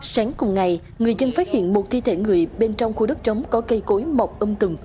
sáng cùng ngày người dân phát hiện một thi thể người bên trong khu đất trống có cây cối mọc âm tùng